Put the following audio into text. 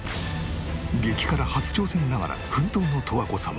激辛初挑戦ながら奮闘の十和子様。